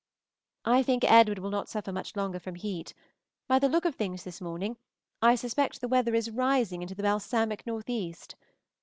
I think Edward will not suffer much longer from heat; by the look of things this morning I suspect the weather is rising into the balsamic north east.